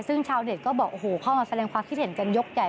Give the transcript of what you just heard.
ซึ่งชาวเน็ตก็บอกโอ้โหเข้ามาแสดงความคิดเห็นกันยกใหญ่